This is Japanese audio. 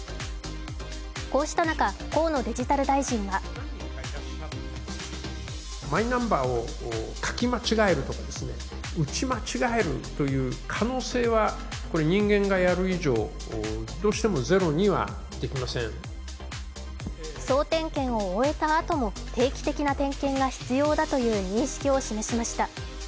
こうした中、河野デジタル大臣は総点検を終えたあとも定期的な点検が必要だという認識を示しました。